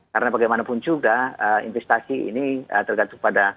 karena bagaimanapun juga investasi ini tergantung pada menurut saya